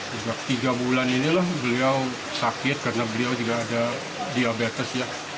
sejak tiga bulan inilah beliau sakit karena beliau juga ada diabetes ya